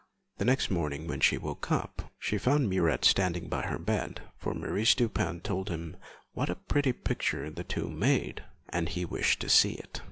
The next morning when she woke up, she found Murat standing by her bed, for M. Dupin had told him what a pretty picture the two made, and he wished to see it.